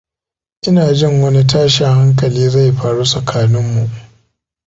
Ina jin wani tashin hankali zai faru tsakanin mu.